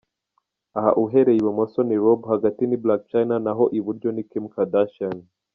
Aha uhereye ibumoso, ni Rob, hagati ni Black Chyna naho iburyo ni Kim Kardashian.